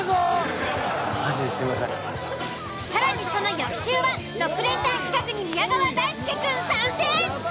更にその翌週は６連単企画に宮川大輔くん参戦！